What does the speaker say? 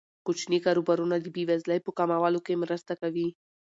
کوچني کاروبارونه د بې وزلۍ په کمولو کې مرسته کوي.